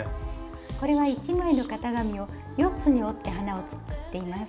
これは１枚の型紙を４つに折って花を作っています。